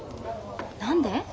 何で？